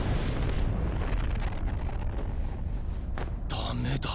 ダメだ。